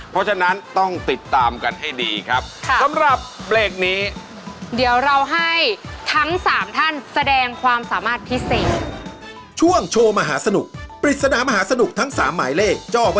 เพราะฉะนั้นต้องติดตามกันให้ดีครับ